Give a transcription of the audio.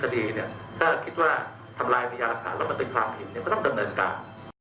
ถ้าคิดว่าทำลายสัมพยาหลักฐานแล้วมันเป็นความผิดก็ต้องกำเนินการ